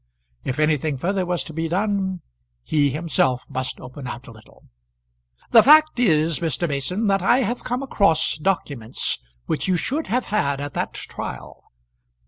If anything further was to be done, he himself must open out a little. "The fact is, Mr. Mason, that I have come across documents which you should have had at that trial.